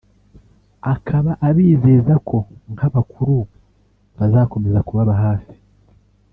akaba abizeza ko nk’abakuru bazakomeza kubaba hafi